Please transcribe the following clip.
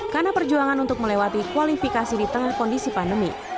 karena perjuangan untuk melewati kualifikasi di tengah kondisi pandemi